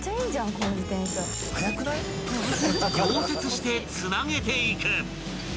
［溶接してつなげていく］